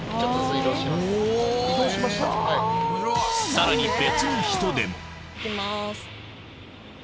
さらに別の人でも行きます。